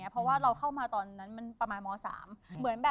เพราะเราเข้ามาตอนนั้นประมาณโม๓